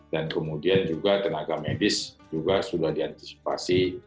dan kemudian tenaga medis juga sudah diantisipasi